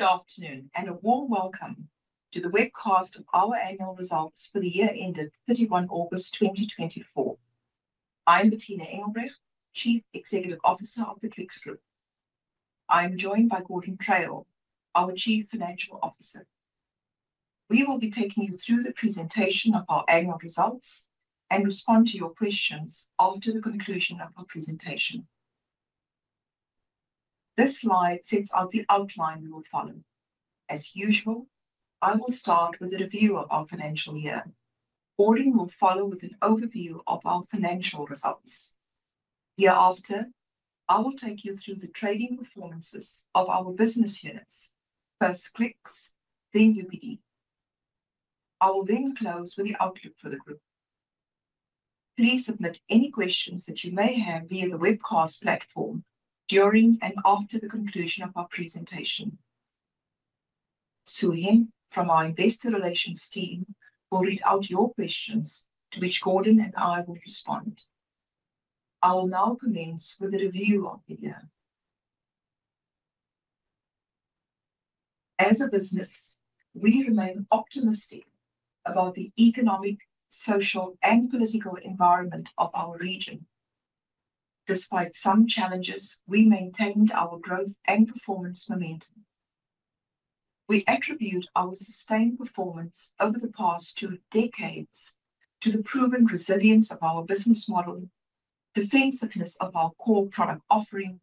Good afternoon, and a warm welcome to the webcast of our annual results for the year ended August 31, 2024. I'm Bertina Engelbrecht, Chief Executive Officer of the Clicks Group. I'm joined by Gordon Traill, our Chief Financial Officer. We will be taking you through the presentation of our annual results and respond to your questions after the conclusion of our presentation. This slide sets out the outline we will follow. As usual, I will start with a review of our financial year. Gordon will follow with an overview of our financial results. Thereafter, I will take you through the trading performances of our business units, first Clicks, then UBD. I will then close with the outlook for the group. Please submit any questions that you may have via the webcast platform during and after the conclusion of our presentation. Sue-Lin, from our investor relations team, will read out your questions, to which Gordon and I will respond. I will now commence with a review of the year. As a business, we remain optimistic about the economic, social, and political environment of our region. Despite some challenges, we maintained our growth and performance momentum. We attribute our sustained performance over the past two decades to the proven resilience of our business model, defensiveness of our core product offering,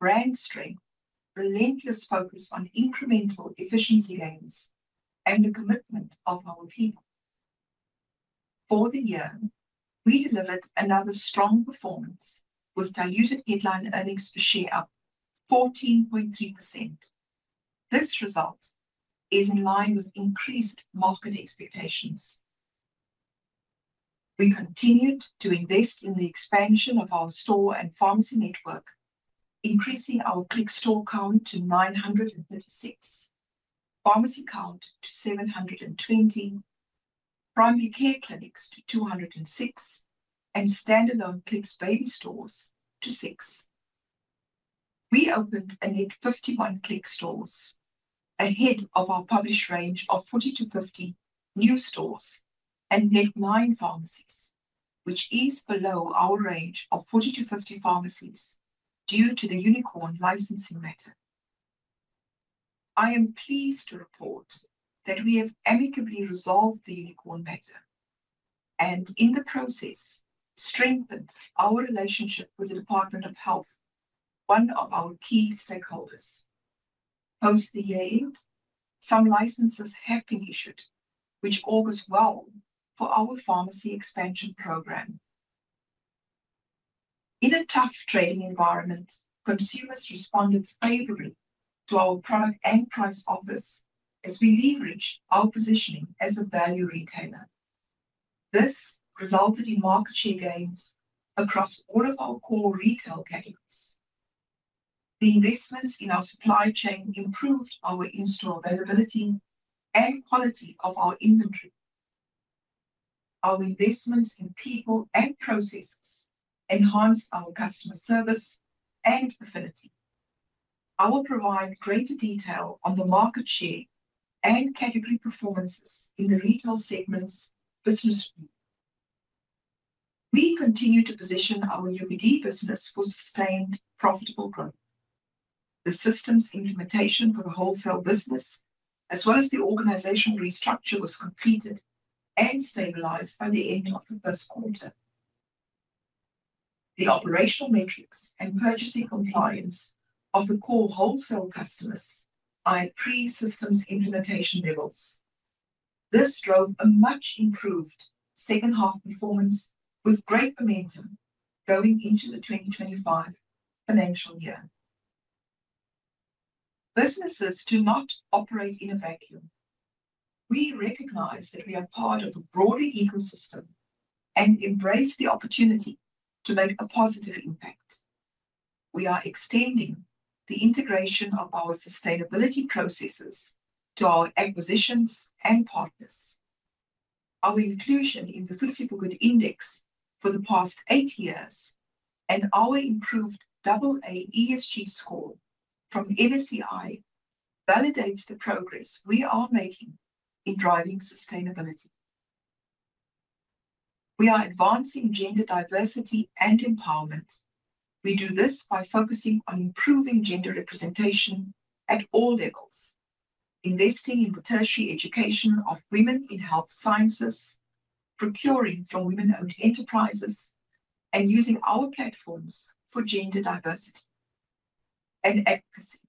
brand strength, relentless focus on incremental efficiency gains, and the commitment of our people. For the year, we delivered another strong performance, with diluted headline earnings per share up 14.3%. This result is in line with increased market expectations. We continued to invest in the expansion of our store and pharmacy network, increasing our Clicks store count to 936, pharmacy count to 720, primary care clinics to 206, and standalone Clicks Baby stores to 6. We opened a net 51 Clicks stores, ahead of our published range of 40-50 new stores, and net 9 pharmacies, which is below our range of 40-50 pharmacies due to the Unicorn licensing matter. I am pleased to report that we have amicably resolved the Unicorn matter and, in the process, strengthened our relationship with the Department of Health, one of our key stakeholders. Post the year end, some licenses have been issued, which augurs well for our pharmacy expansion program. In a tough trading environment, consumers responded favorably to our product and price offers as we leveraged our positioning as a value retailer. This resulted in market share gains across all of our core retail categories. The investments in our supply chain improved our in-store availability and quality of our inventory. Our investments in people and processes enhanced our customer service and affinity. I will provide greater detail on the market share and category performances in the retail segment's business review. We continue to position our UPD business for sustained, profitable growth. The systems implementation for the wholesale business, as well as the organizational restructure, was completed and stabilized by the end of the first quarter. The operational metrics and purchasing compliance of the core wholesale customers are at pre-systems implementation levels. This drove a much improved second half performance, with great momentum going into the 2025 financial year. Businesses do not operate in a vacuum. We recognize that we are part of a broader ecosystem and embrace the opportunity to make a positive impact. We are extending the integration of our sustainability processes to our acquisitions and partners. Our inclusion in the FTSE4Good Index for the past eight years and our improved double A ESG score from MSCI validates the progress we are making in driving sustainability. We are advancing gender diversity and empowerment. We do this by focusing on improving gender representation at all levels, investing in the tertiary education of women in health sciences, procuring from women-owned enterprises, and using our platforms for gender diversity and advocacy.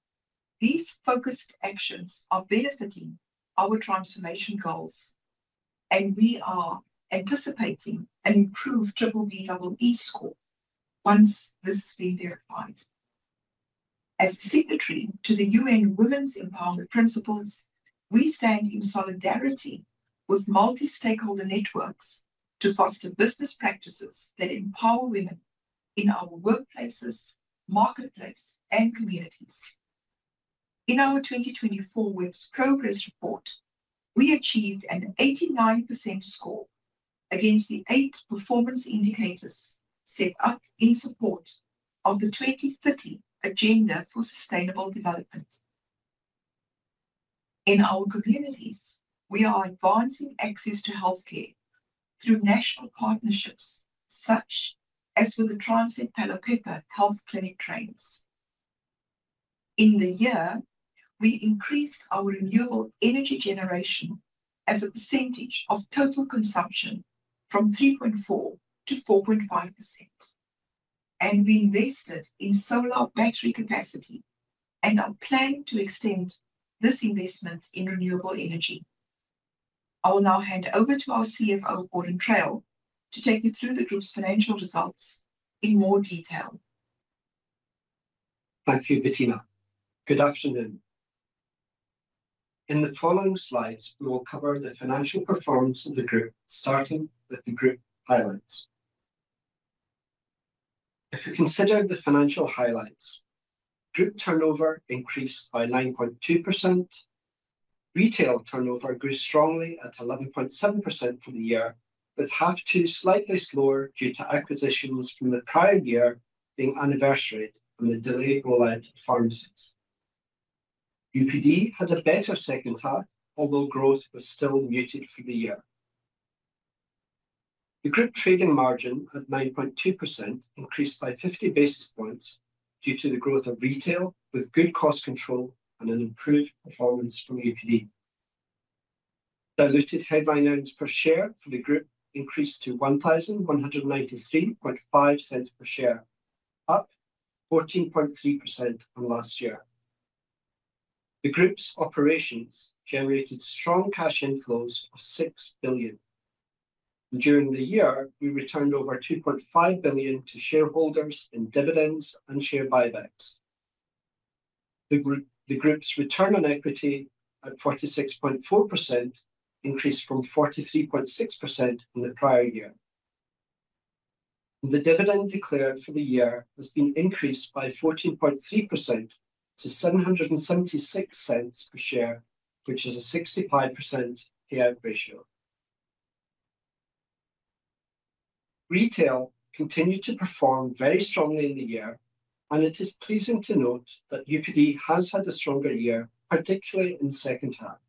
These focused actions are benefiting our transformation goals, and we are anticipating an improved triple D, double E score once this has been verified. As signatory to the UN Women's Empowerment Principles, we stand in solidarity with multi-stakeholder networks to foster business practices that empower women in our workplaces, marketplace, and communities. In our 2024 WIPPS progress report, we achieved an 89% score against the eight performance indicators set up in support of the 2030 agenda for sustainable development. In our communities, we are advancing access to healthcare through national partnerships, such as with the Phelophepa Health Clinic trains. In the year, we increased our renewable energy generation as a percentage of total consumption from 3.4% to 4.5%, and we invested in solar battery capacity, and are planning to extend this investment in renewable energy. I will now hand over to our CFO, Gordon Traill, to take you through the group's financial results in more detail. Thank you, Bertina. Good afternoon. In the following slides, we will cover the financial performance of the group, starting with the group highlights. If you consider the financial highlights, group turnover increased by 9.2%. Retail turnover grew strongly at 11.7% for the year, with half two slightly slower due to acquisitions from the prior year being anniversaried and the delayed rollout of pharmacies. UPD had a better second half, although growth was still muted for the year. The group trading margin at 9.2% increased by 50 basis points due to the growth of retail, with good cost control and an improved performance from UPD. Diluted headline earnings per share for the group increased to 11.935 per share, up 14.3% from last year. The group's operations generated strong cash inflows of 6 billion. During the year, we returned over 2.5 billion to shareholders in dividends and share buybacks. The group's return on equity at 46.4% increased from 43.6% in the prior year. The dividend declared for the year has been increased by 14.3% to 7.76 per share, which is a 65% payout ratio. Retail continued to perform very strongly in the year, and it is pleasing to note that UPD has had a stronger year, particularly in the second half.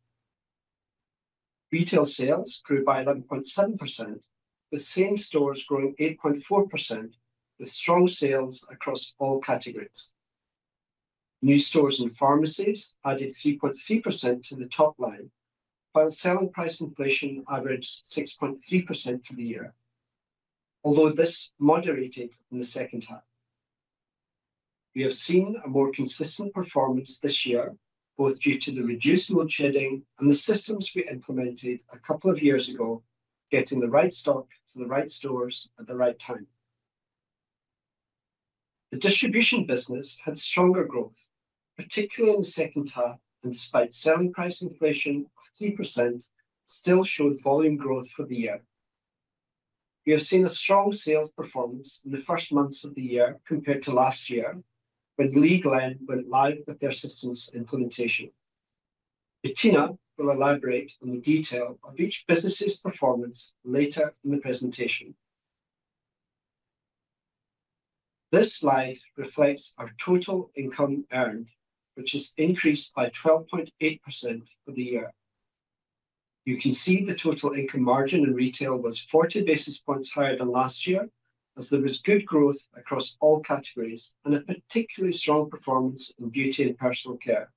Retail sales grew by 11.7%, with same stores growing 8.4%, with strong sales across all categories. New stores and pharmacies added 3.3% to the top line, while selling price inflation averaged 6.3% for the year, although this moderated in the second half. We have seen a more consistent performance this year, both due to the reduced load shedding and the systems we implemented a couple of years ago, getting the right stock to the right stores at the right time. The distribution business had stronger growth, particularly in the second half, and despite selling price inflation of 3%, still showed volume growth for the year. We have seen a strong sales performance in the first months of the year compared to last year, when Lea Glen went live with their systems implementation. Bertina will elaborate on the detail of each business's performance later in the presentation. This slide reflects our total income earned, which has increased by 12.8% for the year. You can see the total income margin in retail was 40 basis points higher than last year, as there was good growth across all categories and a particularly strong performance in beauty and personal care.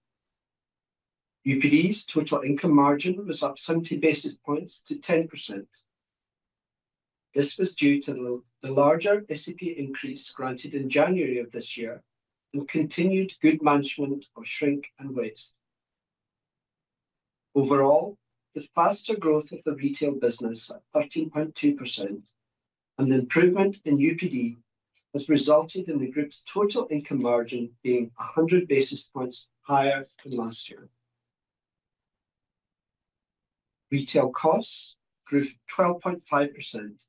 UPD's total income margin was up 70 basis points to 10%. This was due to the larger SAP increase granted in January of this year and continued good management of shrink and waste. Overall, the faster growth of the retail business at 13.2% and the improvement in UPD has resulted in the group's total income margin being 100 basis points higher than last year. Retail costs grew 12.5%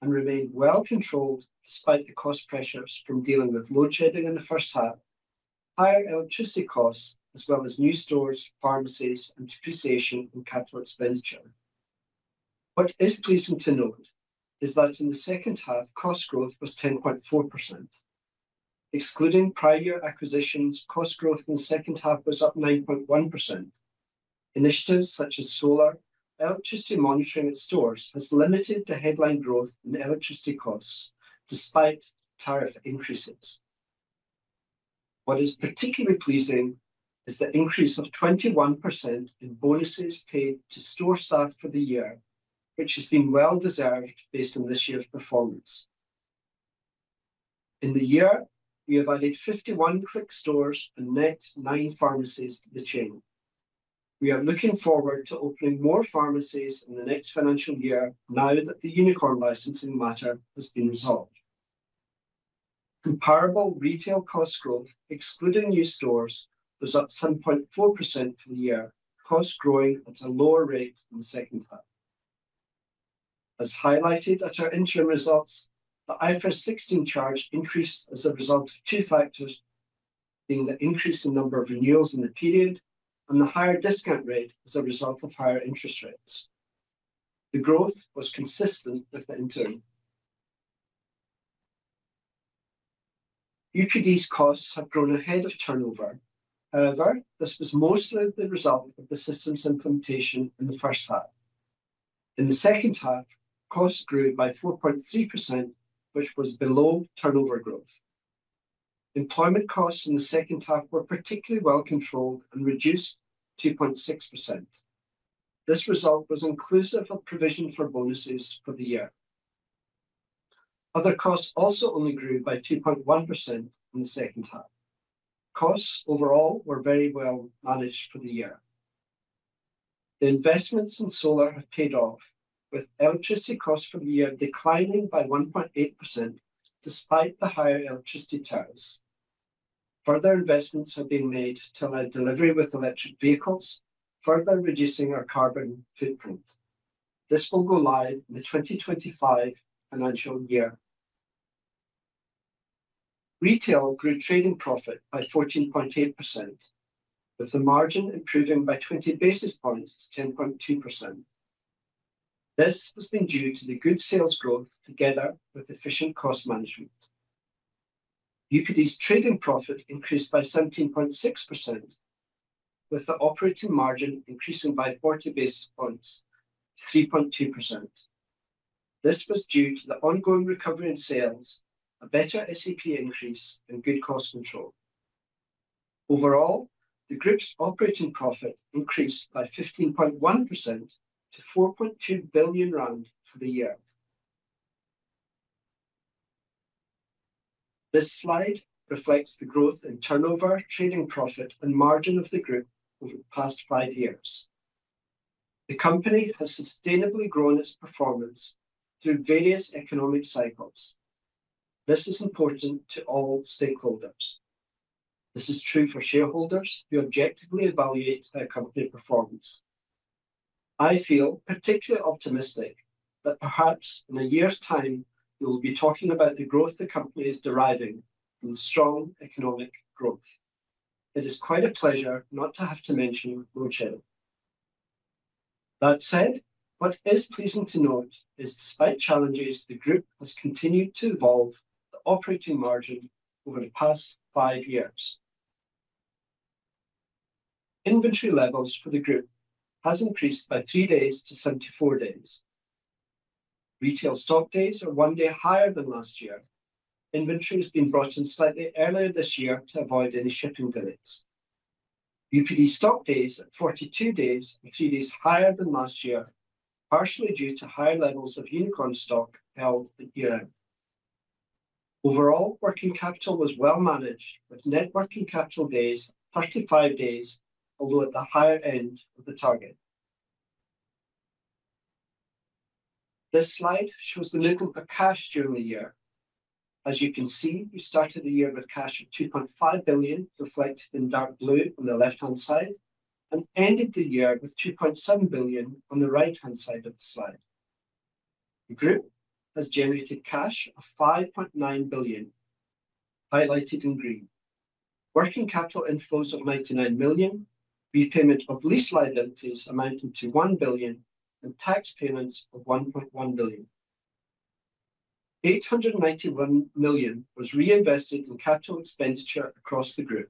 and remained well controlled, despite the cost pressures from dealing with load shedding in the first half, higher electricity costs, as well as new stores, pharmacies, and depreciation in capital expenditure. What is pleasing to note is that in the second half, cost growth was 10.4%. Excluding prior acquisitions, cost growth in the second half was up 9.1%. Initiatives such as solar, electricity monitoring at stores has limited the headline growth in electricity costs despite tariff increases. What is particularly pleasing is the increase of 21% in bonuses paid to store staff for the year, which has been well deserved based on this year's performance. In the year, we have added 51 Clicks stores and net nine pharmacies to the chain. We are looking forward to opening more pharmacies in the next financial year now that the Unicorn licensing matter has been resolved. Comparable retail cost growth, excluding new stores, was up 7.4% for the year, costs growing at a lower rate in the second half. As highlighted at our interim results, the IFRS 16 charge increased as a result of two factors, being the increase in number of renewals in the period, and the higher discount rate as a result of higher interest rates. The growth was consistent with the interim. UPD's costs have grown ahead of turnover. However, this was mostly the result of the systems implementation in the first half. In the second half, costs grew by 4.3%, which was below turnover growth. Employment costs in the second half were particularly well controlled and reduced 2.6%. This result was inclusive of provision for bonuses for the year. Other costs also only grew by 2.1% in the second half. Costs overall were very well managed for the year. The investments in solar have paid off, with electricity costs from the year declining by 1.8%, despite the higher electricity tariffs. Further investments have been made to allow delivery with electric vehicles, further reducing our carbon footprint. This will go live in the 2025 financial year. Retail grew trading profit by 14.8%, with the margin improving by 20 basis points to 10.2%. This has been due to the good sales growth together with efficient cost management. UPD's trading profit increased by 17.6%, with the operating margin increasing by 40 basis points to 3.2%. This was due to the ongoing recovery in sales, a better SAP increase, and good cost control. Overall, the group's operating profit increased by 15.1% to 4.2 billion rand for the year. This slide reflects the growth in turnover, trading profit, and margin of the group over the past five years. The company has sustainably grown its performance through various economic cycles. This is important to all stakeholders. This is true for shareholders who objectively evaluate our company performance. I feel particularly optimistic that perhaps in a year's time, we will be talking about the growth the company is deriving from strong economic growth. It is quite a pleasure not to have to mention load shedding. That said, what is pleasing to note is, despite challenges, the group has continued to evolve the operating margin over the past five years. Inventory levels for the group has increased by 3-74 days. Retail stock days are one day higher than last year. Inventory has been brought in slightly earlier this year to avoid any shipping delays. UPD stock days, at 42 days, are three days higher than last year, partially due to higher levels of Unicorn stock held at year-end. Overall, working capital was well managed, with net working capital days 35 days, although at the higher end of the target. This slide shows the movement of cash during the year. As you can see, we started the year with cash of 2.5 billion, reflected in dark blue on the left-hand side, and ended the year with 2.7 billion on the right-hand side of the slide. The group has generated cash of 5.9 billion, highlighted in green. Working capital inflows of 99 million, repayment of lease liabilities amounting to 1 billion, and tax payments of 1.1 billion. 891 million was reinvested in capital expenditure across the group.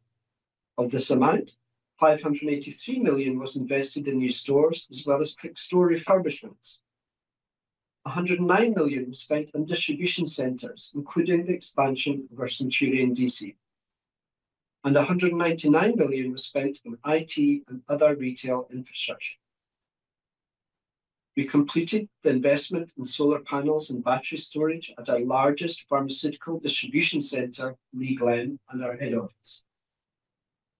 Of this amount, 583 million was invested in new stores as well as Clicks store refurbishments. 109 million was spent on distribution centers, including the expansion of our Centurion DC, and 199 million was spent on IT and other retail infrastructure. We completed the investment in solar panels and battery storage at our largest pharmaceutical distribution center, Lea Glen, and our head office.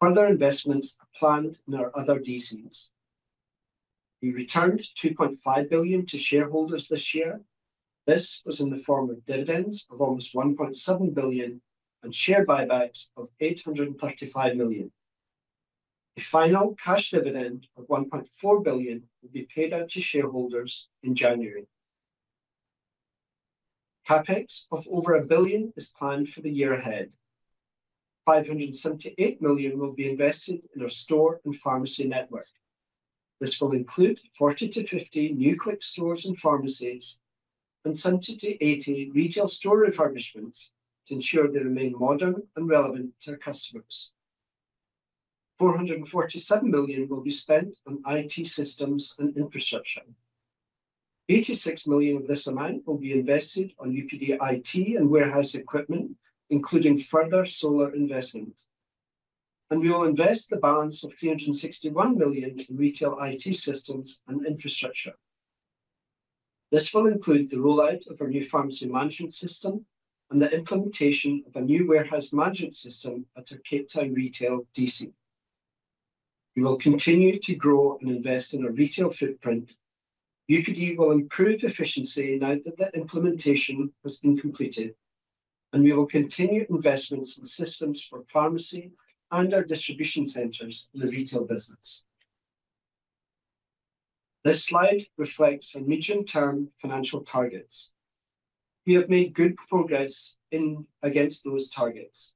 Further investments are planned in our other DCs. We returned 2.5 billion to shareholders this year. This was in the form of dividends of almost 1.7 billion and share buybacks of 835 million. The final cash dividend of 1.4 billion will be paid out to shareholders in January. CapEx of over 1 billion is planned for the year ahead. 578 million will be invested in our store and pharmacy network. This will include 40-50 new Clicks stores and pharmacies and 70-80 retail store refurbishments to ensure they remain modern and relevant to their customers. 447 million will be spent on IT systems and infrastructure. 86 million of this amount will be invested on UPD IT and warehouse equipment, including further solar investment. We will invest the balance of 361 million in retail IT systems and infrastructure. This will include the rollout of our new pharmacy management system and the implementation of a new warehouse management system at our Cape Town retail DC. We will continue to grow and invest in our retail footprint. UPD will improve efficiency now that the implementation has been completed, and we will continue investments in systems for pharmacy and our distribution centers in the retail business. This slide reflects our medium-term financial targets. We have made good progress against those targets.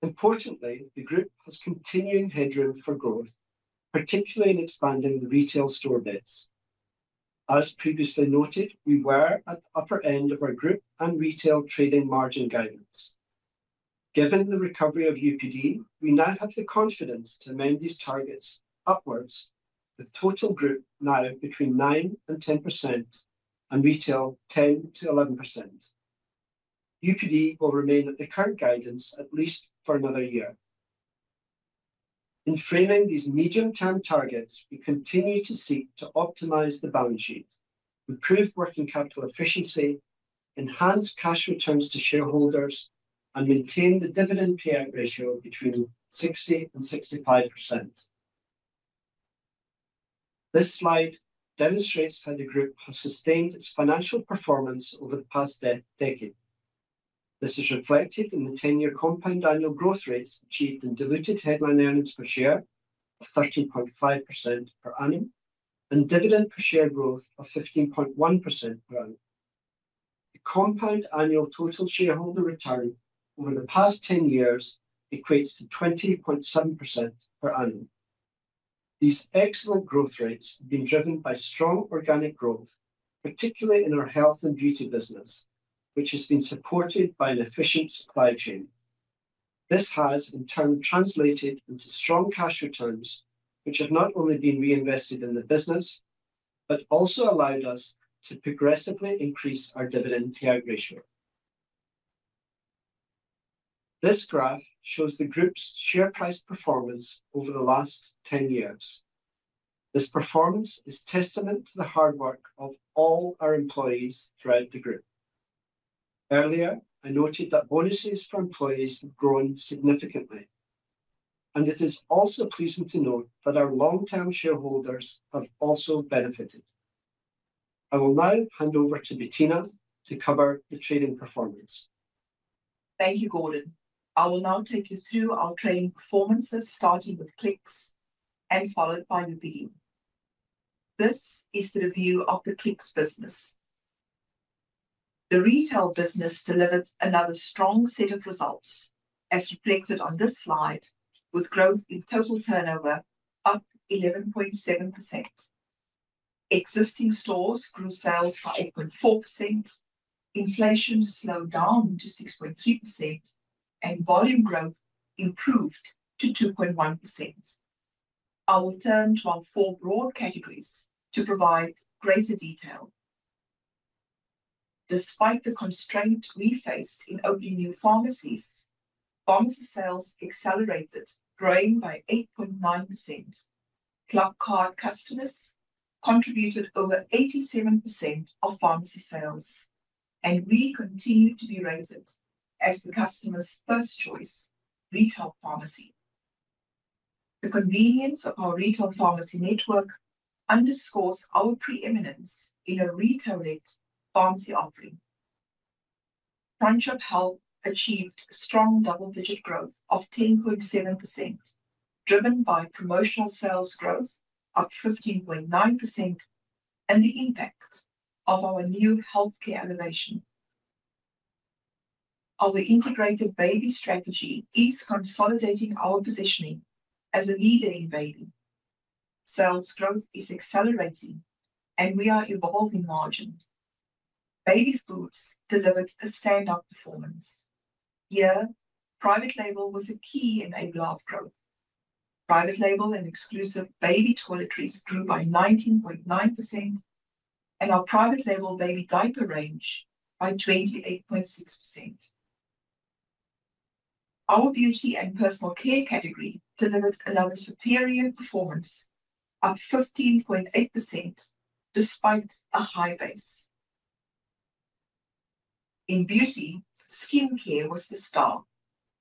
Importantly, the group has continuing headroom for growth, particularly in expanding the retail store base. As previously noted, we were at the upper end of our group and retail trading margin guidance. Given the recovery of UPD, we now have the confidence to amend these targets upwards, with total group now between 9% and 10%, and retail 10% to 11%. UPD will remain at the current guidance at least for another year. In framing these medium-term targets, we continue to seek to optimize the balance sheet, improve working capital efficiency, enhance cash returns to shareholders, and maintain the dividend payout ratio between 60% and 65%. This slide demonstrates how the group has sustained its financial performance over the past decade. This is reflected in the 10-year compound annual growth rates achieved in diluted headline earnings per share of 13.5% per annum and dividend per share growth of 15.1% per annum. The compound annual total shareholder return over the past 10 years equates to 20.7% per annum. These excellent growth rates have been driven by strong organic growth, particularly in our health and beauty business, which has been supported by an efficient supply chain. This has, in turn, translated into strong cash returns, which have not only been reinvested in the business, but also allowed us to progressively increase our dividend payout ratio. This graph shows the group's share price performance over the last 10 years. This performance is testament to the hard work of all our employees throughout the group. Earlier, I noted that bonuses for employees have grown significantly, and it is also pleasing to note that our long-term shareholders have also benefited. I will now hand over to Bertina to cover the trading performance. Thank you, Gordon. I will now take you through our trading performances, starting with Clicks and followed by UPD. This is the review of the Clicks business. The retail business delivered another strong set of results, as reflected on this slide, with growth in total turnover up 11.7%. Existing stores grew sales by 8.4%, inflation slowed down to 6.3%, and volume growth improved to 2.1%. I will turn to our four broad categories to provide greater detail. Despite the constraint we faced in opening new pharmacies, pharmacy sales accelerated, growing by 8.9%. ClubCard customers contributed over 87% of pharmacy sales, and we continue to be rated as the customer's first choice retail pharmacy. The convenience of our retail pharmacy network underscores our preeminence in a retail-led pharmacy offering. Front of house achieved strong double-digit growth of 10.7%, driven by promotional sales growth up 15.9%, and the impact of our new healthcare elevation. Our integrated baby strategy is consolidating our positioning as a leader in baby. Sales growth is accelerating, and we are evolving margin. Baby foods delivered a stand-out performance. Here, private label was a key enabler of growth. Private label and exclusive baby toiletries grew by 19.9%, and our private label baby diaper range by 28.6%. Our beauty and personal care category delivered another superior performance, up 15.8%, despite a high base. In beauty, skincare was the star,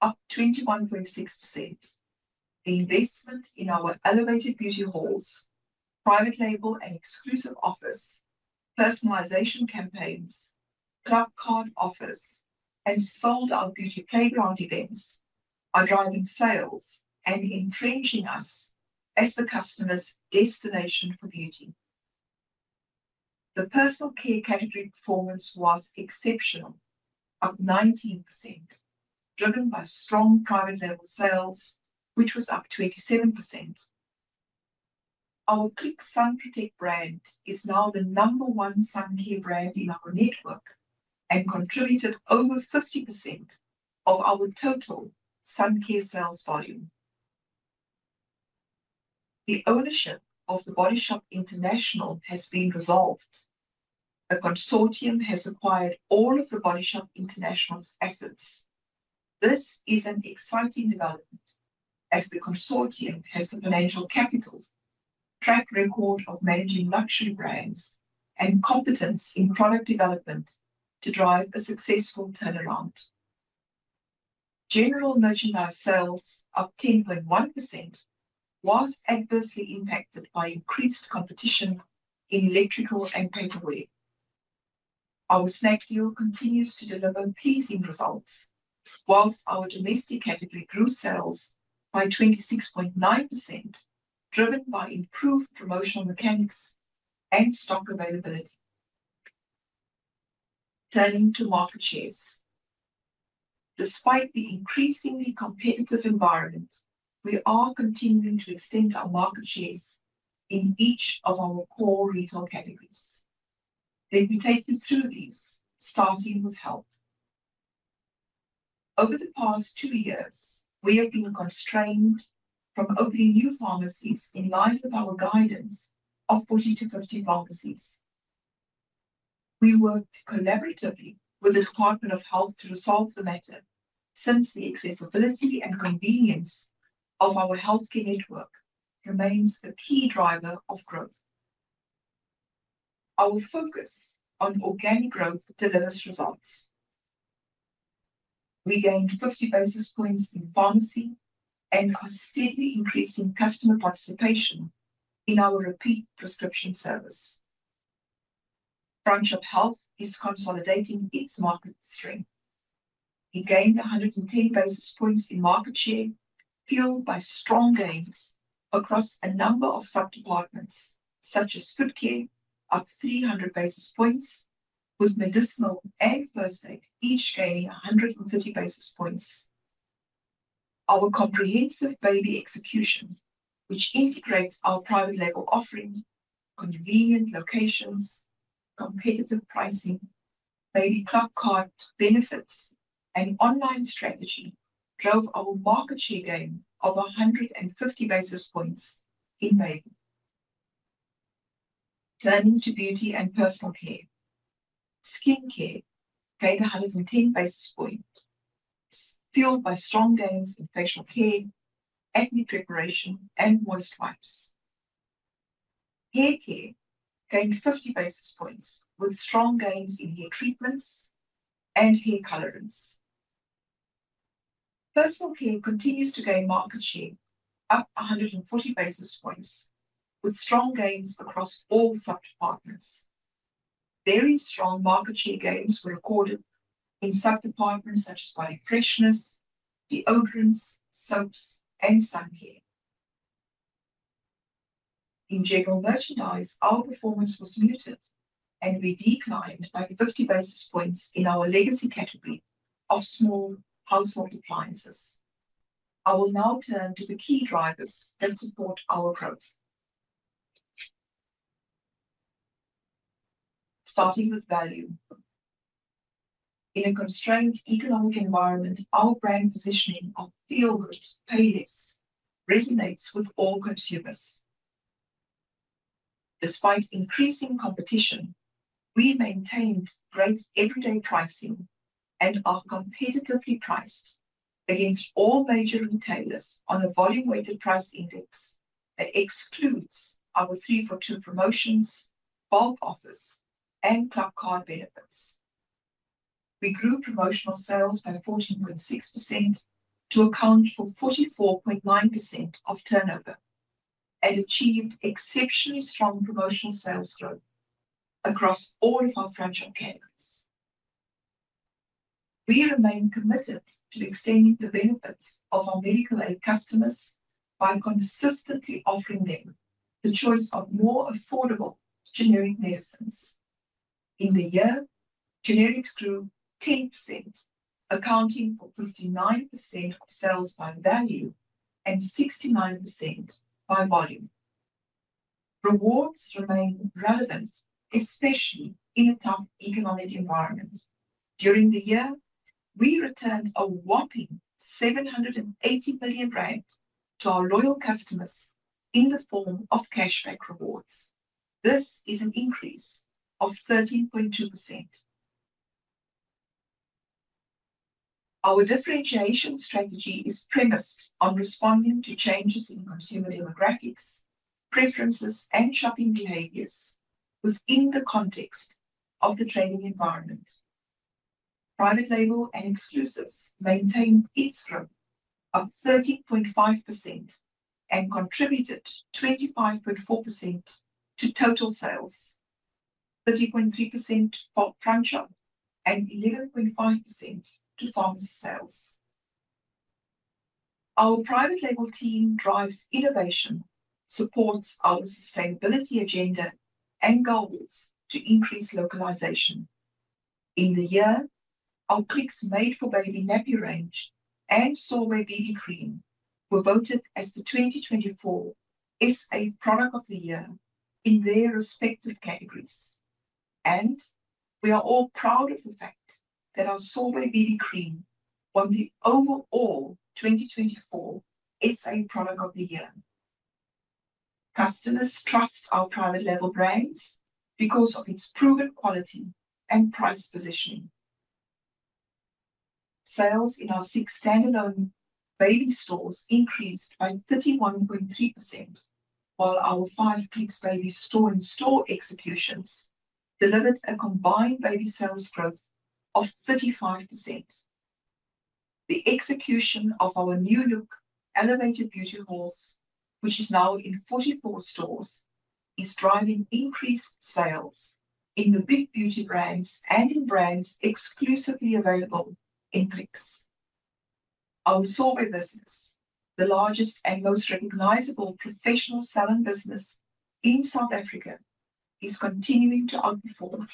up 21.6%. The investment in our elevated beauty halls, private label and exclusive offers, personalization campaigns, ClubCard offers, and sold-out Beauty Playground events are driving sales and entrenching us as the customer's destination for beauty. The personal care category performance was exceptional, up 19%, driven by strong private label sales, which was up 27%. Our Clicks Sun Protect brand is now the number one sun care brand in our network and contributed over 50% of our total sun care sales volume. The ownership of The Body Shop International has been resolved. A consortium has acquired all of The Body Shop International's assets. This is an exciting development, as the consortium has the financial capital, track record of managing luxury brands, and competence in product development to drive a successful turnaround. General merchandise sales, up 10.1%, was adversely impacted by increased competition in electrical and paperware.... Our snack deal continues to deliver pleasing results, while our domestic category grew sales by 26.9%, driven by improved promotional mechanics and stock availability. Turning to market shares. Despite the increasingly competitive environment, we are continuing to extend our market shares in each of our core retail categories. Let me take you through these, starting with health. Over the past two years, we have been constrained from opening new pharmacies in line with our guidance of 40 to 50 pharmacies. We worked collaboratively with the Department of Health to resolve the matter, since the accessibility and convenience of our healthcare network remains a key driver of growth. Our focus on organic growth delivers results. We gained 50 basis points in pharmacy and are steadily increasing customer participation in our repeat prescription service. Franchise Health is consolidating its market strength. We gained 110 basis points in market share, fueled by strong gains across a number of sub-departments, such as foot care, up 300 basis points, with medicinal and first aid each gaining 150 basis points. Our comprehensive baby execution, which integrates our private label offering, convenient locations, competitive pricing, baby club card benefits, and online strategy, drove our market share gain of 150 basis points in baby. Turning to beauty and personal care. Skincare gained 110 basis points, fueled by strong gains in facial care, acne preparation, and moist wipes. Hair care gained 50 basis points, with strong gains in hair treatments and hair colorants. Personal care continues to gain market share, up 140 basis points, with strong gains across all sub-departments. Very strong market share gains were recorded in sub-departments such as body freshness, deodorants, soaps, and sun care. In general merchandise, our performance was muted, and we declined by 50 basis points in our legacy category of small household appliances. I will now turn to the key drivers that support our growth. Starting with value. In a constrained economic environment, our brand positioning of feel good, pay less resonates with all consumers. Despite increasing competition, we maintained great everyday pricing and are competitively priced against all major retailers on a volume-weighted price index that excludes our three-for-two promotions, bulk offers, and club card benefits. We grew promotional sales by 14.6% to account for 44.9% of turnover and achieved exceptionally strong promotional sales growth across all of our franchise categories. We remain committed to extending the benefits of our medical aid customers by consistently offering them the choice of more affordable generic medicines. In the year, generics grew 10%, accounting for 59% of sales by value and 69% by volume. Rewards remain relevant, especially in a tough economic environment. During the year, we returned a whopping 780 million rand to our loyal customers in the form of cashback rewards. This is an increase of 13.2%. Our differentiation strategy is premised on responding to changes in consumer demographics, preferences, and shopping behaviors within the context of the trading environment. Private label and exclusives maintained its growth of 13.5% and contributed 25.4% to total sales, 30.3% for franchise, and 11.5% to pharmacy sales. Our private label team drives innovation, supports our sustainability agenda, and goals to increase localization. In the year, our Clicks Made for Baby Nappy range and Sorbet Baby Cream were voted as the 2024 SA Product of the Year in their respective categories, and we are all proud of the fact that our Sorbet Baby Cream won the overall 2024 SA Product of the Year. Customers trust our private label brands because of its proven quality and price positioning. Sales in our six standalone baby stores increased by 31.3%, while our five Clicks Baby store and store executions delivered a combined baby sales growth of 35%. The execution of our new look, Elevated Beauty halls, which is now in 44 stores, is driving increased sales in the big beauty brands and in brands exclusively available in Clicks. Our Sorbet business, the largest and most recognizable professional salon business in South Africa, is continuing to outperform,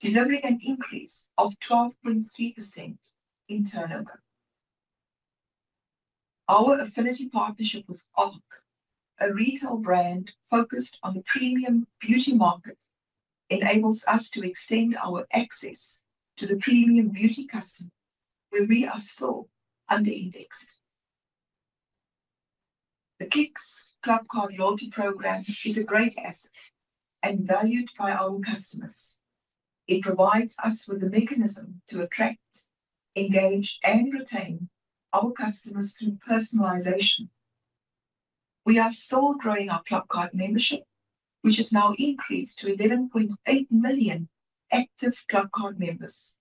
delivering an increase of 12.3% in turnover. Our affinity partnership with ARC, a retail brand focused on the premium beauty market, enables us to extend our access to the premium beauty customer, where we are still under indexed. The Clicks Club Card loyalty program is a great asset and valued by our customers. It provides us with a mechanism to attract, engage, and retain our customers through personalization. We are still growing our Club Card membership, which has now increased to 11.8 million active Club Card members.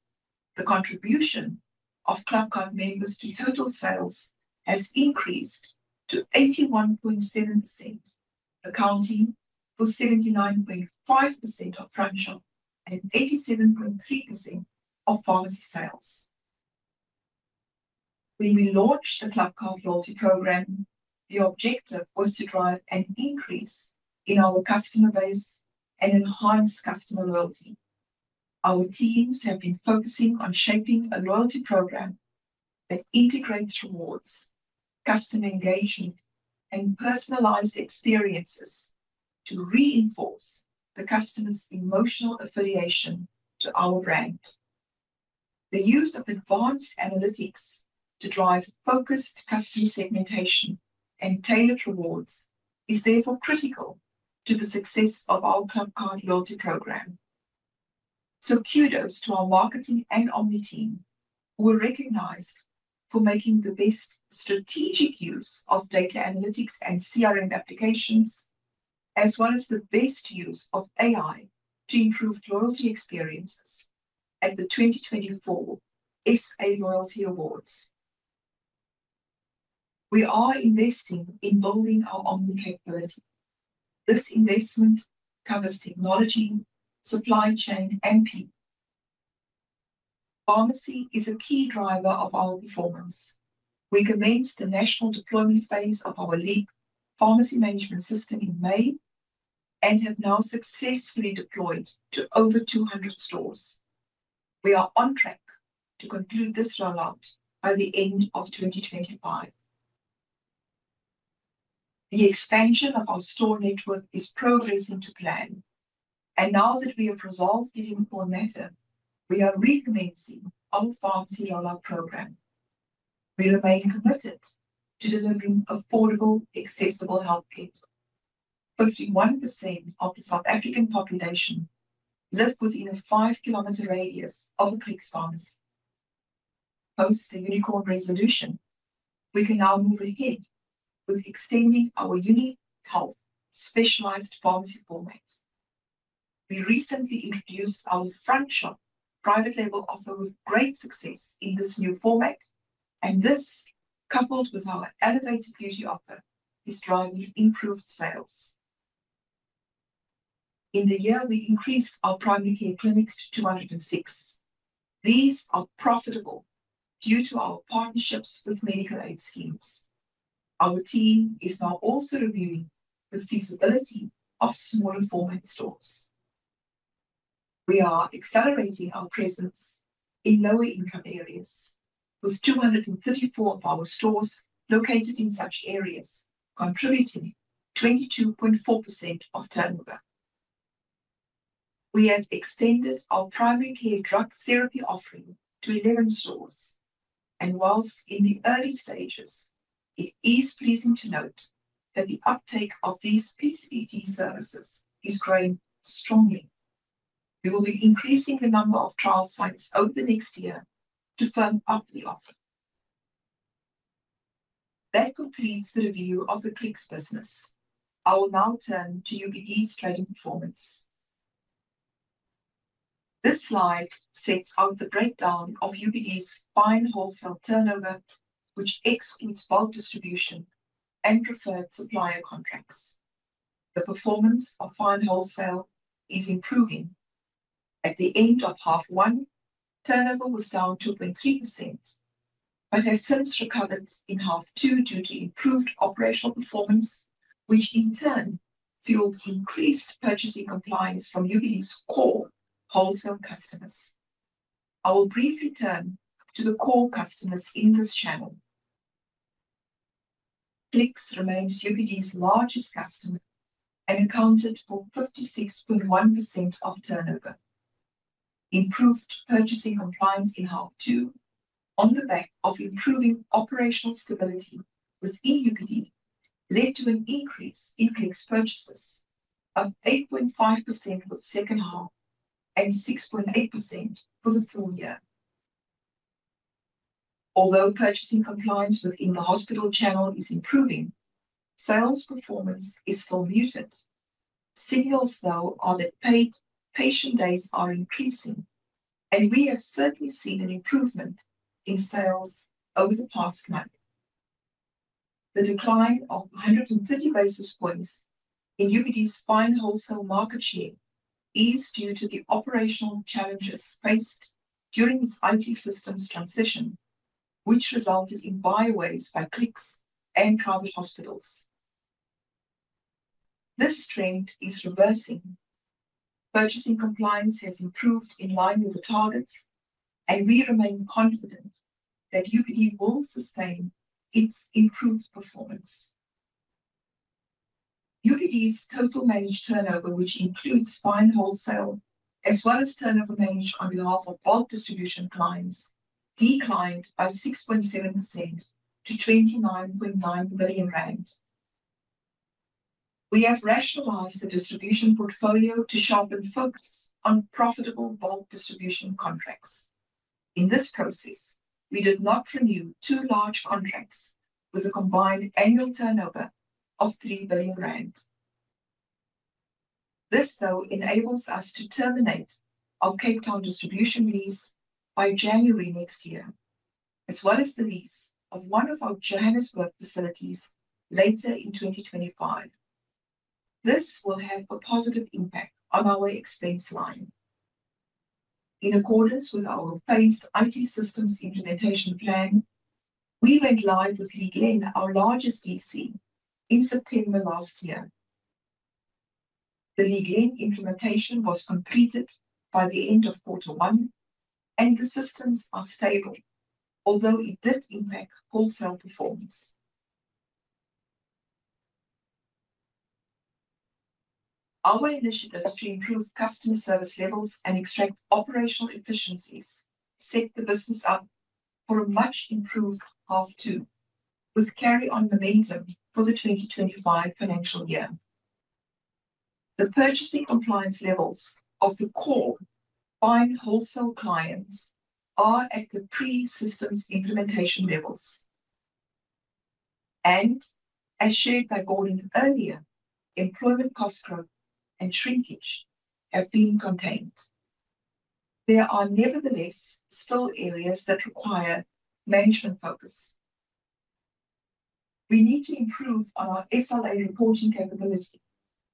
The contribution of Club Card members to total sales has increased to 81.7%, accounting for 79.5% of front shop and 87.3% of pharmacy sales. When we launched the Club Card loyalty program, the objective was to drive an increase in our customer base and enhance customer loyalty. Our teams have been focusing on shaping a loyalty program that integrates rewards, customer engagement, and personalized experiences to reinforce the customer's emotional affiliation to our brand. The use of advanced analytics to drive focused customer segmentation and tailored rewards is therefore critical to the success of our Club Card loyalty program. So kudos to our marketing and omni team, who were recognized for making the best strategic use of data analytics and CRM applications, as well as the best use of AI to improve loyalty experiences at the 2024 SA Loyalty Awards. We are investing in building our omni capability. This investment covers technology, supply chain, and people. Pharmacy is a key driver of our performance. We commenced the national deployment phase of our Leap pharmacy management system in May, and have now successfully deployed to over 200 stores. We are on track to conclude this rollout by the end of 2025. The expansion of our store network is progressing to plan, and now that we have resolved the important matter, we are recommencing our pharmacy rollout program. We remain committed to delivering affordable, accessible healthcare. 51% of the South African population live within a five-kilometer radius of a Clicks pharmacy. Post the Unicorn resolution, we can now move ahead with extending our UniHealth specialized pharmacy format. We recently introduced our front shop private label offer with great success in this new format, and this, coupled with our elevated beauty offer, is driving improved sales. In the year, we increased our primary care clinics to 206. These are profitable due to our partnerships with medical aid schemes. Our team is now also reviewing the feasibility of smaller format stores. We are accelerating our presence in lower income areas, with 234 of our stores located in such areas, contributing 22.4% of turnover. We have extended our primary care drug therapy offering to 11 stores, and while in the early stages, it is pleasing to note that the uptake of these PCT services is growing strongly. We will be increasing the number of trial sites over the next year to firm up the offer. That completes the review of the Clicks business. I will now turn to UPD's trading performance. This slide sets out the breakdown of UPD's fine wholesale turnover, which excludes bulk distribution and preferred supplier contracts. The performance of fine wholesale is improving. At the end of half one, turnover was down 2.3%, but has since recovered in half two due to improved operational performance, which in turn fueled increased purchasing compliance from UPD's core wholesale customers. I will briefly turn to the core customers in this channel. Clicks remains UPD's largest customer and accounted for 56.1% of turnover. Improved purchasing compliance in half two, on the back of improving operational stability within UPD, led to an increase in Clicks purchases of 8.5% for the second half and 6.8% for the full year. Although purchasing compliance within the hospital channel is improving. Sales performance is still muted. Signals, though, are that paid patient days are increasing, and we have certainly seen an improvement in sales over the past month. The decline of 150 basis points in UPD's Fine Wholesale market share is due to the operational challenges faced during its IT systems transition, which resulted in bypasses by Clicks and private hospitals. This trend is reversing. Purchasing compliance has improved in line with the targets, and we remain confident that UPD will sustain its improved performance. UPD's total managed turnover, which includes Fine Wholesale, as well as turnover managed on behalf of bulk distribution clients, declined by 6.7% to 29.9 billion ZAR. We have rationalized the distribution portfolio to sharpen focus on profitable bulk distribution contracts. In this process, we did not renew two large contracts with a combined annual turnover of 3 billion rand. This, though, enables us to terminate our Cape Town distribution lease by January next year, as well as the lease of one of our Johannesburg facilities later in 2025. This will have a positive impact on our expense line. In accordance with our phased IT systems implementation plan, we went live with Lea Glen, our largest DC, in September last year. The Lea Glen implementation was completed by the end of quarter one, and the systems are stable, although it did impact wholesale performance. Our initiatives to improve customer service levels and extract operational efficiencies set the business up for a much improved half two, with carry-on momentum for the 2025 Financial Year. The purchasing compliance levels of the core Fine Wholesale clients are at the pre-systems implementation levels, and as shared by Gordon earlier, employment cost growth and shrinkage have been contained. There are nevertheless still areas that require management focus. We need to improve our SLA reporting capability,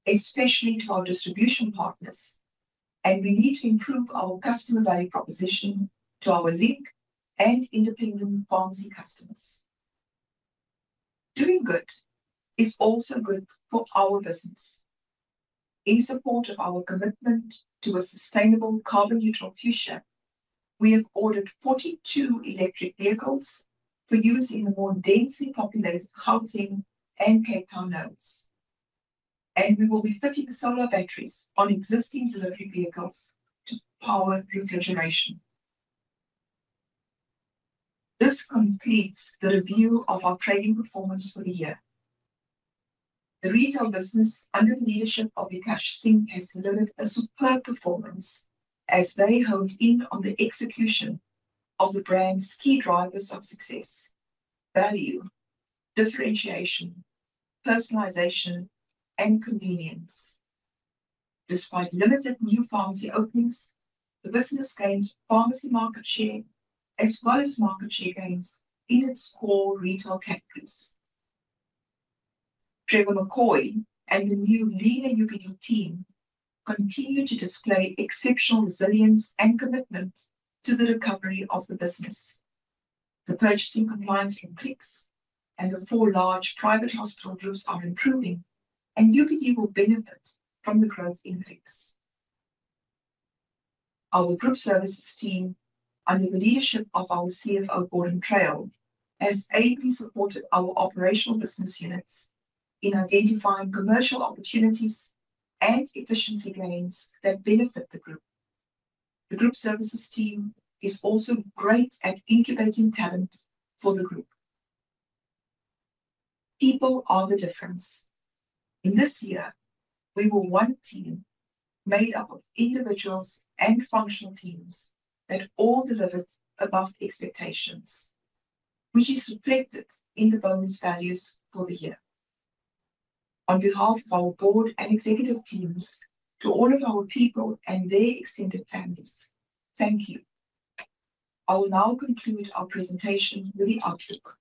especially to our distribution partners, and we need to improve our customer value proposition to our link and independent pharmacy customers. Doing good is also good for our business. In support of our commitment to a sustainable carbon neutral future, we have ordered 42 electric vehicles for use in the more densely populated Gauteng and Cape Town nodes, and we will be fitting solar batteries on existing delivery vehicles to power refrigeration. This completes the review of our trading performance for the year. The retail business, under the leadership of Vikash Singh, has delivered a superb performance as they honed in on the execution of the brand's key drivers of success: value, differentiation, personalization, and convenience. Despite limited new pharmacy openings, the business gained pharmacy market share, as well as market share gains in its core retail categories. Trevor McCoy and the new leaner UPD team continue to display exceptional resilience and commitment to the recovery of the business. The purchasing compliance from Clicks and the four large private hospital groups are improving, and UPD will benefit from the growth in Clicks. Our group services team, under the leadership of our CFO, Gordon Traill, has ably supported our operational business units in identifying commercial opportunities and efficiency gains that benefit the group. The group services team is also great at incubating talent for the group. People are the difference. In this year, we were one team made up of individuals and functional teams that all delivered above expectations, which is reflected in the bonus values for the year. On behalf of our board and executive teams, to all of our people and their extended families, thank you. I will now conclude our presentation with the outlook.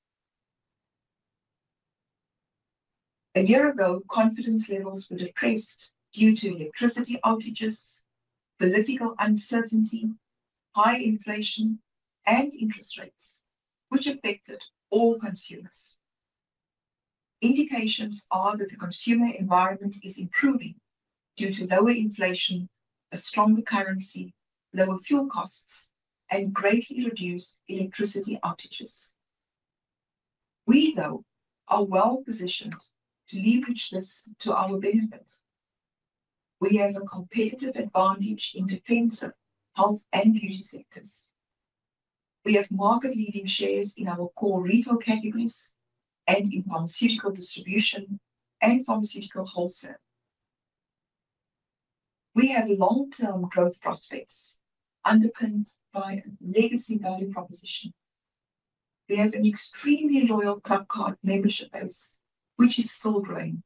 A year ago, confidence levels were depressed due to electricity outages, political uncertainty, high inflation and interest rates, which affected all consumers. Indications are that the consumer environment is improving due to lower inflation, a stronger currency, lower fuel costs, and greatly reduced electricity outages. We, though, are well positioned to leverage this to our benefit. We have a competitive advantage in defensive, health, and beauty sectors. We have market-leading shares in our core retail categories and in pharmaceutical distribution and pharmaceutical wholesale. We have long-term growth prospects underpinned by a legacy value proposition. We have an extremely loyal ClubCard membership base, which is still growing,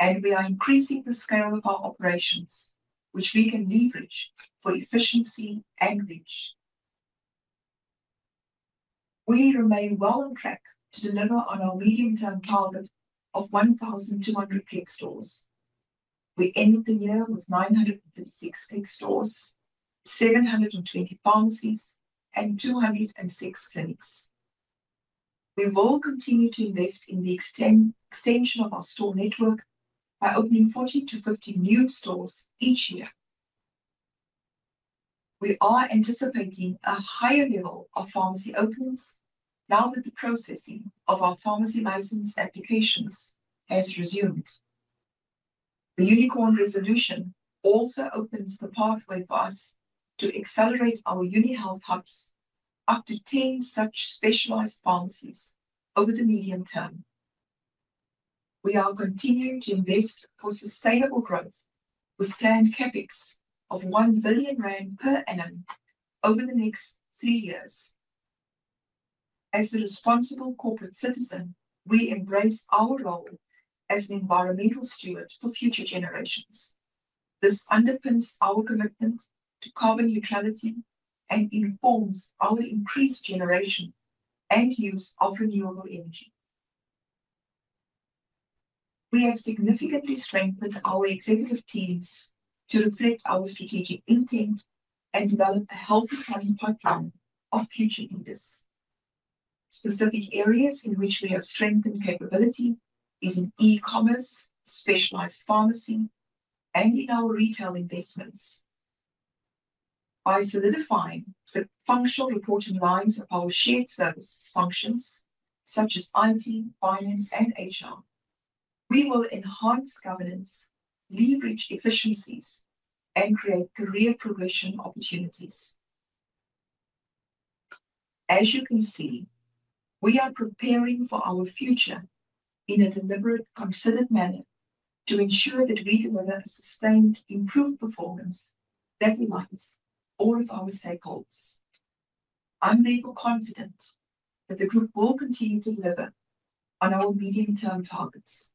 and we are increasing the scale of our operations, which we can leverage for efficiency and reach. We remain well on track to deliver on our medium-term target of 1,200 Clicks stores. We ended the year with 936 Clicks stores, 720 pharmacies, and 206 clinics. We will continue to invest in the extension of our store network by opening 40-50 new stores each year. We are anticipating a higher level of pharmacy openings now that the processing of our pharmacy license applications has resumed. The Unicorn resolution also opens the pathway for us to accelerate our UniHealth hubs up to 10 such specialized pharmacies over the medium term. We are continuing to invest for sustainable growth, with planned CapEx of 1 billion rand per annum over the next three years. As a responsible corporate citizen, we embrace our role as an environmental steward for future generations. This underpins our commitment to carbon neutrality and informs our increased generation and use of renewable energy. We have significantly strengthened our executive teams to reflect our strategic intent and develop a healthy talent pipeline of future leaders. Specific areas in which we have strengthened capability is in e-commerce, specialized pharmacy, and in our retail investments. By solidifying the functional reporting lines of our shared services functions, such as IT, finance, and HR, we will enhance governance, leverage efficiencies, and create career progression opportunities. As you can see, we are preparing for our future in a deliberate, considered manner to ensure that we deliver a sustained, improved performance that aligns all of our stakeholders. I'm therefore confident that the group will continue to deliver on our medium-term targets.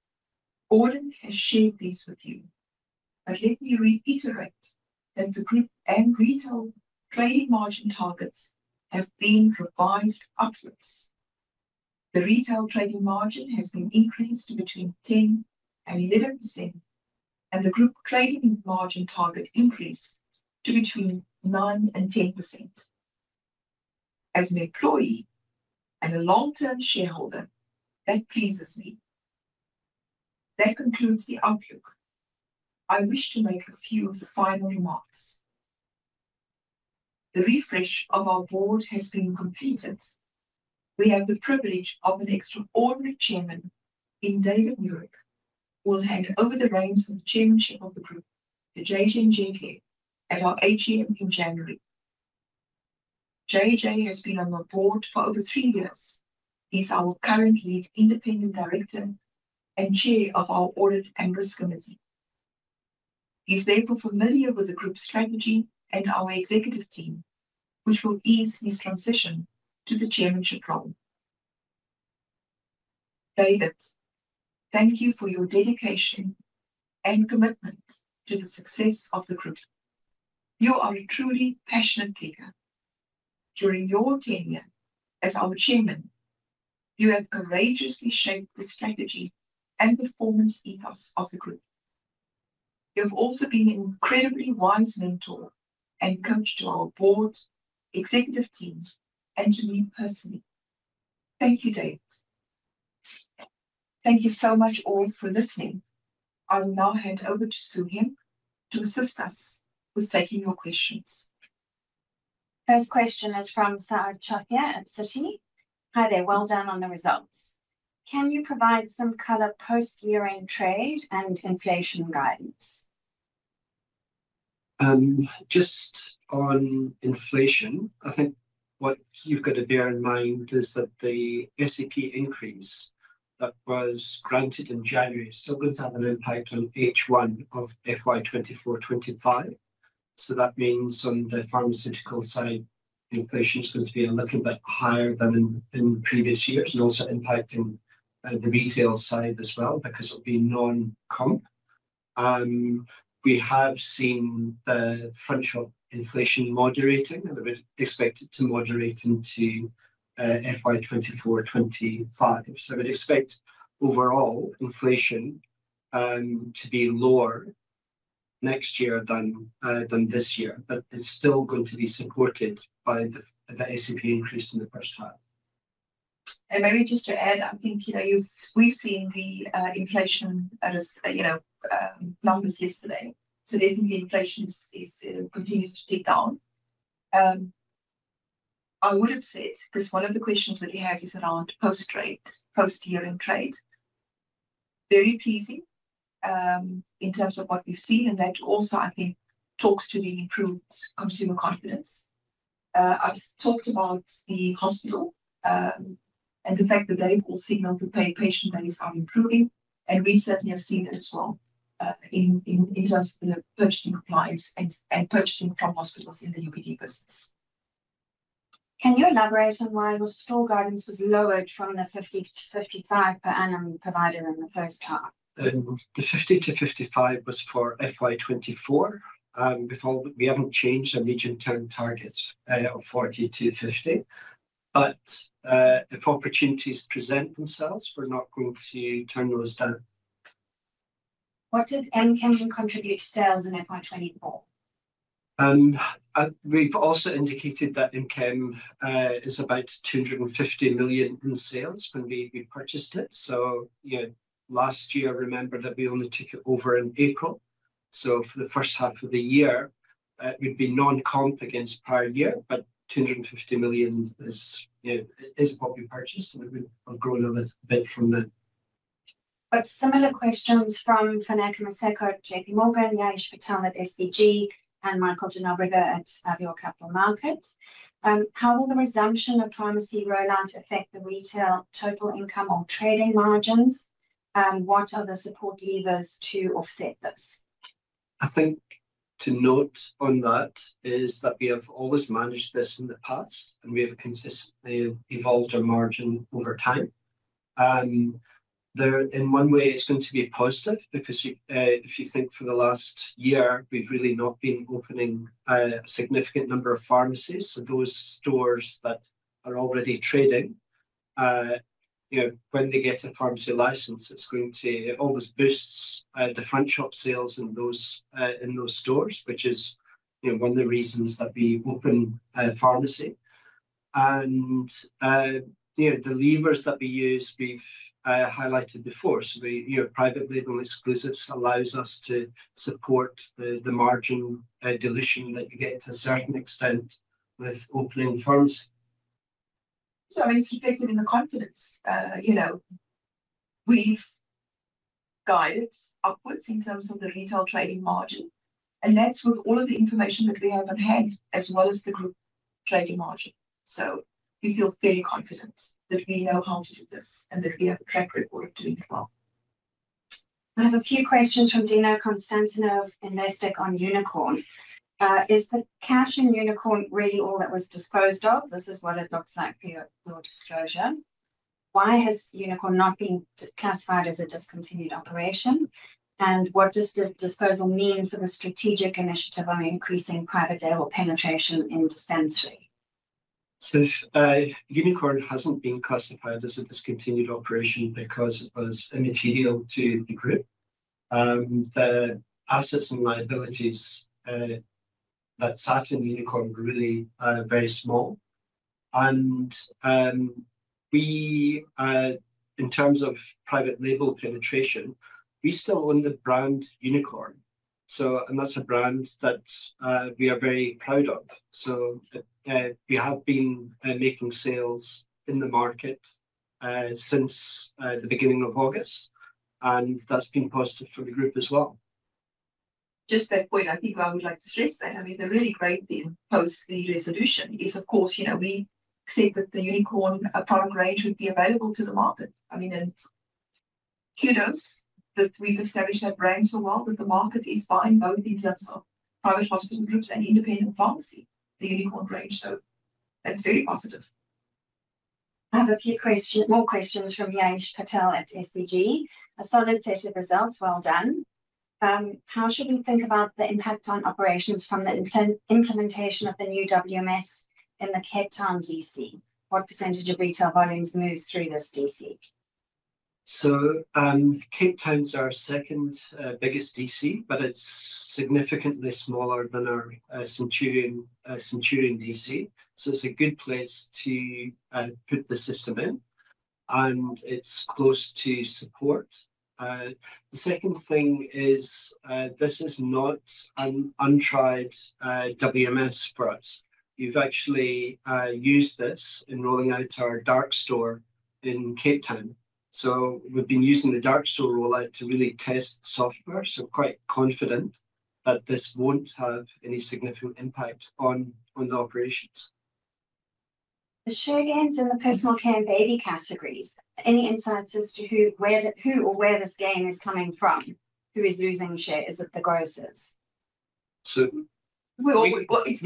Odin has shared these with you, but let me reiterate that the group and retail trading margin targets have been revised upwards. The retail trading margin has been increased to between 10% and 11%, and the group trading margin target increased to between 9% and 10%. As an employee and a long-term shareholder, that pleases me. That concludes the outlook. I wish to make a few final remarks. The refresh of our board has been completed. We have the privilege of an extraordinary chairman in David Muir, who will hand over the reins of the chairmanship of the group to J.J. Njeke at our AGM in January. J.J. has been on the board for over three years. He's our current lead independent director and chair of our Audit and Risk Committee. He's therefore familiar with the group's strategy and our executive team, which will ease his transition to the chairmanship role. David, thank you for your dedication and commitment to the success of the group. You are a truly passionate leader. During your tenure as our chairman, you have courageously shaped the strategy and performance ethos of the group. You've also been an incredibly wise mentor and coach to our board, executive teams, and to me personally. Thank you, David. Thank you so much, all, for listening. I will now hand over to Sue-Lin to assist us with taking your questions. First question is from Sarah Chupak at Citi. Hi there. Well done on the results. Can you provide some color post year-end trade and inflation guidance? Just on inflation, I think what you've got to bear in mind is that the SAP increase that was granted in January is still going to have an impact on H1 of FY 2024, 2025. So that means on the pharmaceutical side, inflation is going to be a little bit higher than in previous years and also impacting the retail side as well because it'll be non-comp. We have seen the front shop inflation moderating, and we expect it to moderate into FY 2024, 2025. So I would expect overall inflation to be lower next year than this year, but it's still going to be supported by the SAP increase in the first half. Maybe just to add, I think, you know, we've seen the inflation at a, you know, numbers yesterday. So I think the inflation continues to tick down. I would've said, because one of the questions that he has is around post-trade, post-year-end trade, very pleasing, in terms of what we've seen, and that also, I think, talks to the improved consumer confidence. I've talked about the hospital, and the fact that they've all signaled that paid patient money is now improving, and we certainly have seen it as well, in terms of the purchasing supplies and purchasing from hospitals in the UPD business. Can you elaborate on why your store guidance was lowered from the 50-55 per annum provided in the first half? The 50-55 was for FY 2024. Before, we haven't changed the medium-term target of 40-50, but if opportunities present themselves, we're not going to turn those down. What did M-Chem contribute to sales in FY 2024? We've also indicated that M-Chem is about 250 million in sales when we purchased it. So, you know, last year, remember that we only took it over in April, so for the first half of the year, we'd be non-comp against prior year, but 250 million is, you know, what we purchased, and we've grown a little bit from that. Got similar questions from Funeka Moseko at J.P. Morgan, Yash Patel at SBG Securities, and Michael de Nobrega at Avior Capital Markets. How will the resumption of pharmacy rollout affect the retail total income or trading margins, and what are the support levers to offset this? I think to note on that is that we have always managed this in the past, and we have consistently evolved our margin over time. In one way, it's going to be a positive because you, if you think for the last year, we've really not been opening a significant number of pharmacies. So those stores that are already trading, you know, when they get a pharmacy license, it's going to. It always boosts the front shop sales in those stores, which is, you know, one of the reasons that we open a pharmacy. And, you know, the levers that we use, we've highlighted before. So we, you know, private label exclusives allows us to support the margin dilution that you get to a certain extent with opening pharmacies. It's reflected in the confidence, you know, we've guided upwards in terms of the retail trading margin, and that's with all of the information that we have on hand as well as the group trading margin. We feel fairly confident that we know how to do this and that we have a track record of doing it well. I have a few questions from Dino Konstantinov in Ninety One on Unicorn. Is the cash in Unicorn really all that was disposed of? This is what it looks like per your disclosure. Why has Unicorn not been classified as a discontinued operation, and what does the disposal mean for the strategic initiative on increasing private label penetration into dispensary? Unicorn hasn't been classified as a discontinued operation because it was immaterial to the group. The assets and liabilities that sat in Unicorn were really very small, and in terms of private label penetration, we still own the brand Unicorn, so, and that's a brand that we are very proud of. We have been making sales in the market since the beginning of August, and that's been positive for the group as well. Just that point, I think I would like to stress that, I mean, the really great thing post the resolution is, of course, you know, we said that the Unicorn product range would be available to the market. I mean, and kudos that we've established that brand so well, that the market is buying, both in terms of private hospital groups and independent pharmacy, the Unicorn range, so that's very positive. I have a few more questions from Yash Patel at SBG Securities. A solid set of results. Well done. How should we think about the impact on operations from the implementation of the new WMS in the Cape Town DC? What percentage of retail volumes move through this DC? So, Cape Town's our second biggest DC, but it's significantly smaller than our Centurion DC, so it's a good place to put the system in, and it's close to support. The second thing is, this is not an untried WMS for us. We've actually used this in rolling out our dark store in Cape Town, so we've been using the dark store rollout to really test the software, so quite confident that this won't have any significant impact on the operations. The share gains in the personal care and baby categories, any insights as to who or where this gain is coming from? Who is losing share? Is it the grocers? So- Well, we... We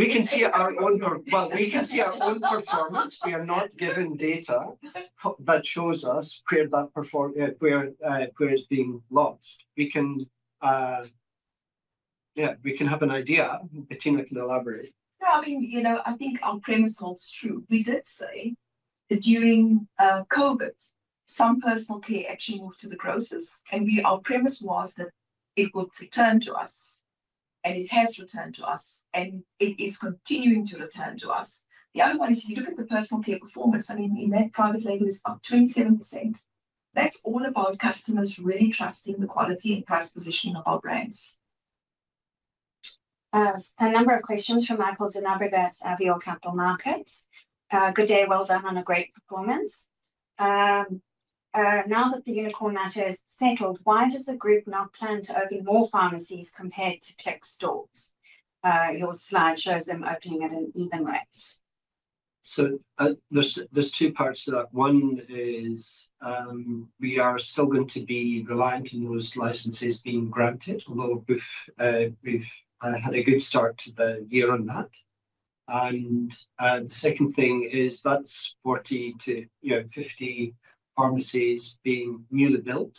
can see our own performance. Well, we can see our own performance. We are not given data that shows us where that performance is being lost. We can, yeah, we can have an idea. Bertina can elaborate. Yeah, I mean, you know, I think our premise holds true. We did say that during COVID, some personal care actually moved to the grocers, and our premise was that it would return to us, and it has returned to us, and it is continuing to return to us. The other one is, if you look at the personal care performance, I mean, in that private label is up 27%. That's all about customers really trusting the quality and price positioning of our brands. A number of questions from Michael de Nobrega at Avior Capital Markets. Good day. Well done on a great performance. Now that the Unicorn matter is settled, why does the group not plan to open more pharmacies compared to Clicks stores? Your slide shows them opening at an even rate. So, there's two parts to that. One is, we are still going to be reliant on those licenses being granted, although we've had a good start to the year on that. And, the second thing is that's 40 to, you know, 50 pharmacies being newly built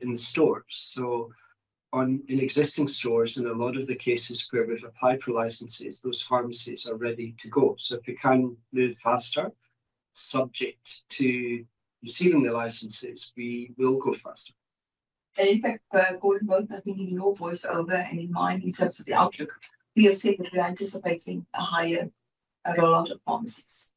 in the stores. So in existing stores, in a lot of the cases where we've applied for licenses, those pharmacies are ready to go. So if we can move faster, subject to receiving the licenses, we will go faster. In fact, Gordon, both I think in your voice over and in mine in terms of the outlook, we have said that we are anticipating a higher rollout of pharmacies.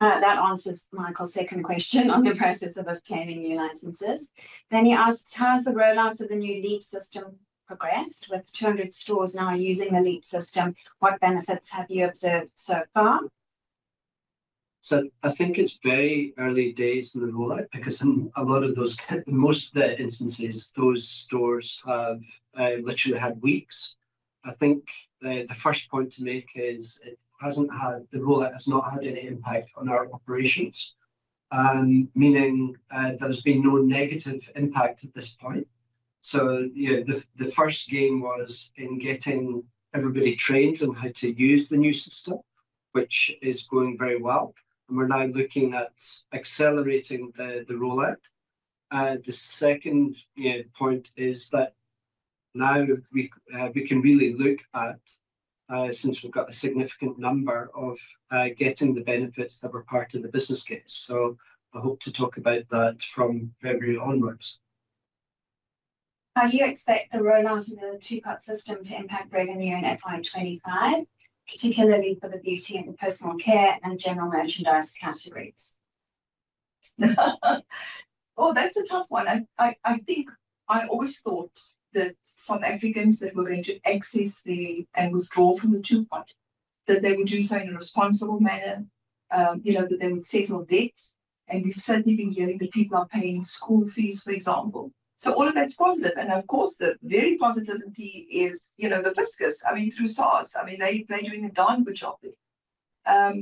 That answers Michael's second question on the process of obtaining new licenses. Then he asks, "How has the rollout of the new Leap system progressed? With 200 stores now using the Leap system, what benefits have you observed so far? So I think it's very early days in the rollout, because in a lot of those, most of the instances, those stores have literally had weeks. I think the first point to make is it hasn't had...the rollout has not had any impact on our operations, meaning there's been no negative impact at this point. So, you know, the first gain was in getting everybody trained on how to use the new system, which is going very well, and we're now looking at accelerating the rollout. The second, you know, point is that now we can really look at since we've got a significant number of getting the benefits that were part of the business case. So I hope to talk about that from February onwards. How do you expect the rollout of the Two-Pot system to impact revenue in FY 2025, particularly for the beauty and the personal care and general merchandise categories? Oh, that's a tough one. I think I always thought that South Africans that were going to access the, and withdraw from the Two-Pot, that they would do so in a responsible manner, you know, that they would settle debts, and we've certainly been hearing that people are paying school fees, for example. So all of that's positive, and of course, the very positivity is, you know, the Fiscus, I mean, through SARS. I mean, they, they're doing a darn good job there.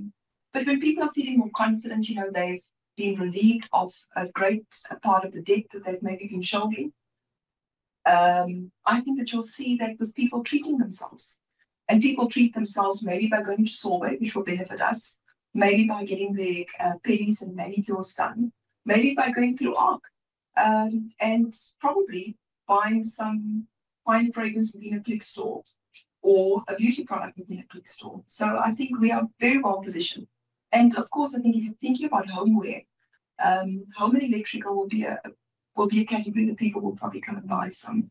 But when people are feeling more confident, you know, they've been relieved of a great part of the debt that they've maybe been struggling, I think that you'll see that with people treating themselves, and people treat themselves maybe by going to Sorbet, which will benefit us, maybe by getting their pedis and manicures done, maybe by going through ARC, and probably buying some fine fragrance within a Clicks store or a beauty product within a Clicks store. So I think we are very well positioned. And of course, I think if you're thinking about homeware, home and electrical will be a category that people will probably come and buy some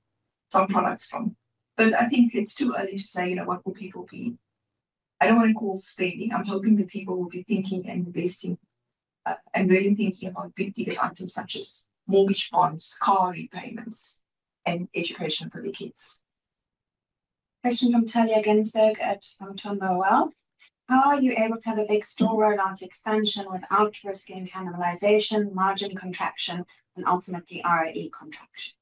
products from. But I think it's too early to say, you know, what will people be... I don't want to call it spending. I'm hoping that people will be thinking and investing, and really thinking about big-ticket items such as mortgage bonds, car repayments, and education for their kids. Question from Talia Gensig at Sanlam Wealth: How are you able to have a big store rollout expansion without risking cannibalization, margin contraction, and ultimately ROE contraction?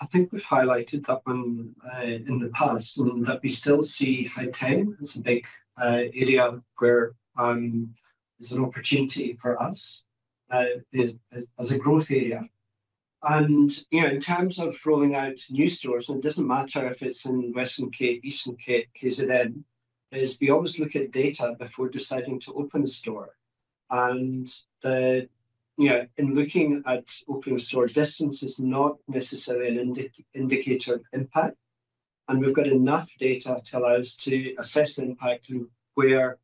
I think we've highlighted that one in the past that we still see hometown as a big area where there's an opportunity for us as a growth area. And you know, in terms of rolling out new stores, and it doesn't matter if it's in Western Cape, Eastern Cape, KZN, we always look at data before deciding to open a store. And you know, in looking at opening a store, distance is not necessarily an indicator of impact, and we've got enough data to allow us to assess the impact and where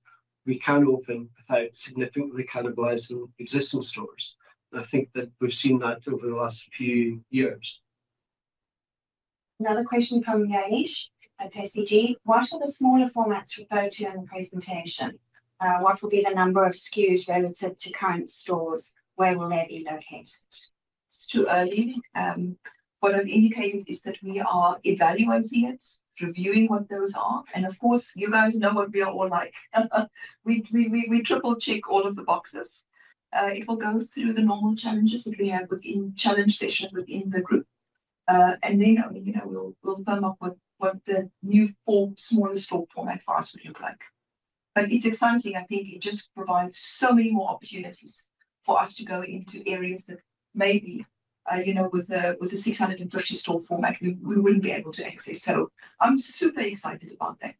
we can open without significantly cannibalizing existing stores. And I think that we've seen that over the last few years. Another question from Yash at SBG Securities: What are the smaller formats referred to in the presentation? What will be the number of SKUs relative to current stores? Where will they be located? It's too early. What I've indicated is that we are evaluating it, reviewing what those are, and of course, you guys know what we are all like. We triple-check all of the boxes. It will go through the normal challenges that we have within challenge session within the group, and then, you know, we'll come up with what the new form, smaller store format for us would look like. But it's exciting. I think it just provides so many more opportunities for us to go into areas that maybe, you know, with a 650-store format, we wouldn't be able to access. So I'm super excited about that.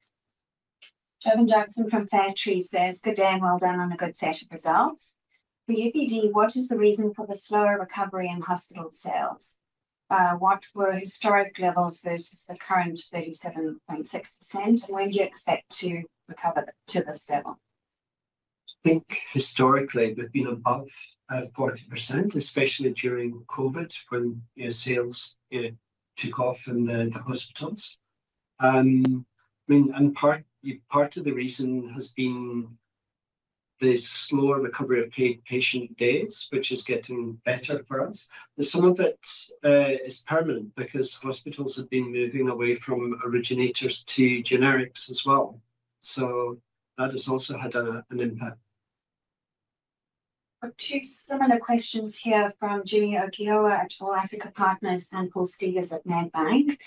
Kevin Jackson from Fairtree says, "Good day, and well done on a good set of results. For FPD, what is the reason for the slower recovery in hospital sales? What were historic levels versus the current 37.6%, and when do you expect to recover to this level? I think historically, we've been above 40%, especially during COVID, when, you know, sales took off in the hospitals. I mean, and part of the reason has been the slower recovery of patient days, which is getting better for us. But some of it is permanent, because hospitals have been moving away from originators to generics as well. So that has also had an impact. Two similar questions here from Jimmy Okeoa at All Africa Partners and Paul Steegers at Nedbank.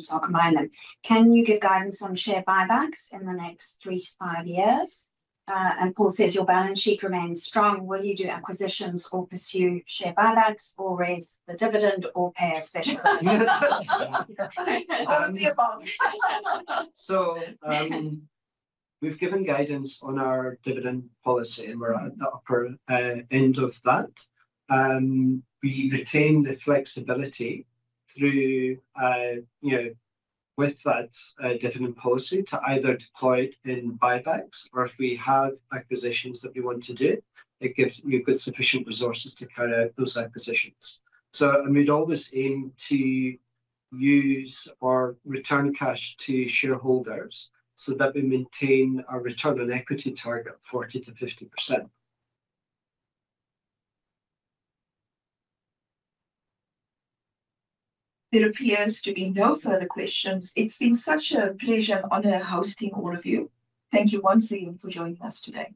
So I'll combine them. Can you give guidance on share buybacks in the next three to five years? And Paul says, "Your balance sheet remains strong. Will you do acquisitions or pursue share buybacks or raise the dividend or pay a special dividend? All of the above. So, we've given guidance on our dividend policy, and we're at the upper end of that. We retain the flexibility through, you know, with that dividend policy to either deploy it in buybacks, or if we have acquisitions that we want to do, it gives... we've got sufficient resources to carry out those acquisitions. So, and we'd always aim to use our return cash to shareholders so that we maintain our return on equity target, 40%-50%. There appears to be no further questions. It's been such a pleasure and honor hosting all of you. Thank you once again for joining us today.